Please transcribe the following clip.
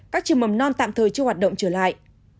các trường mầm non tạm thời chưa hoạt động trở lại